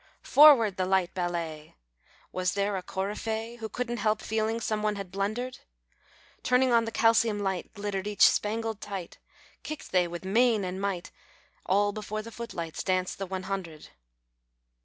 " Forward, the light ballet !" ■Was there a coryphee Who couldn't help feeling Some one had blundered ? Turned on the calcium light. Glittered each spangled tight. Kicked they with main and might ; All before the foot lights Danced the one hundred.